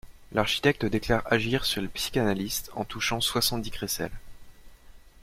L'architecte déclare agir sur les psychanalistes en touchant soixante-dix crécelles.